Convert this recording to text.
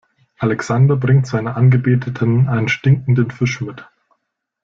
Alexander bringt seiner Angebeteten einen stinkenden Fisch mit.